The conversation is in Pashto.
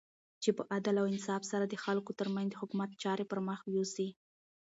چی په عدل او انصاف سره د خلګو ترمنځ د حکومت چاری پرمخ یوسی